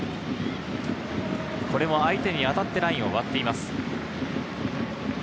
相手に当たってラインを割っています。